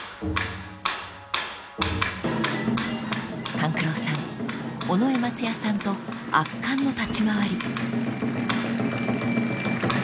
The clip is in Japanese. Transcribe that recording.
［勘九郎さん尾上松也さんと圧巻の立ち回り］